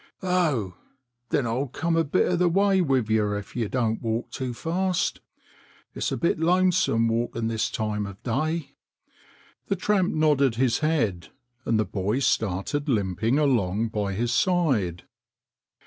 " Oh ! then I'll come a bit of the way with you if you don't walk too fast. It's a bit lonesome walking this time of day." The tramp nodded his head, and the boy started limping along by his side.